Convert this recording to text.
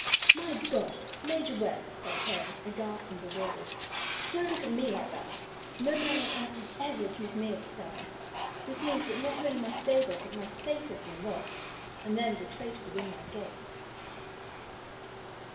"My God! Major Webb," cried Hay, aghast and bewildered. "Don't look at me like that! No man on earth has ever accused me of a crime. This means that not only my stable but my safe has been robbed, and there is a traitor within my gates."